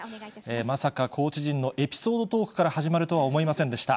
まさかコーチ陣のエピソードトークから始まるとは思いませんでした。